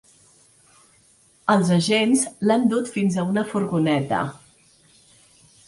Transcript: Els agents l’han dut fins a una furgoneta.